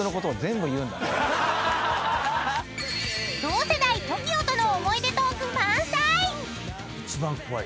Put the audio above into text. ［同世代ＴＯＫＩＯとの思い出トーク満載！］